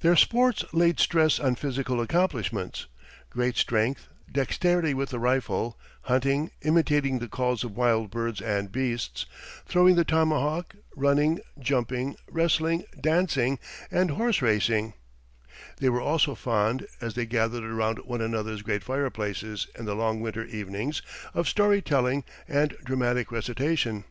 Their sports laid stress on physical accomplishments great strength, dexterity with the rifle, hunting, imitating the calls of wild birds and beasts, throwing the tomahawk, running, jumping, wrestling, dancing, and horse racing; they were also fond, as they gathered around one another's great fireplaces in the long winter evenings, of story telling and dramatic recitation.